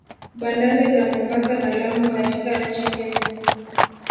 Bandari za Mombasa na Lamu katika nchi Kenya